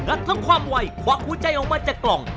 ทั้งความไวควักหัวใจออกมาจากกล่อง